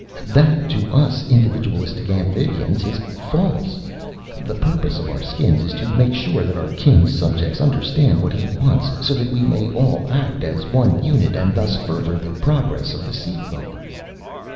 "That, to us individualistic Amphibians, is false. The purpose of our Skins is to make sure that our King's subjects understand what he wants so that we may all act as one unit and thus further the progress of the Seafolk."